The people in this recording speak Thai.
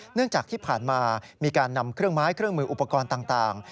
เนื่องจากที่ผ่านมามีการนำเครื่องไม้เครื่องมืออุปกรณ์ต่าง